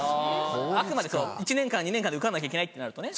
あくまで１年間２年間で受からなきゃいけないってなると。